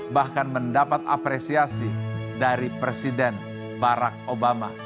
bahkan mendapat apresiasi dari presiden barack obama